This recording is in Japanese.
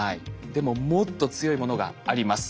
でももっと強いものがあります。